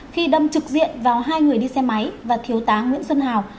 khi đâm trực diện vào hai người đi xe máy và thiếu tá nguyễn xuân hào